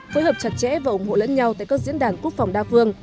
phối hợp chặt chẽ và ủng hộ lẫn nhau tại các diễn đàn quốc phòng đa phương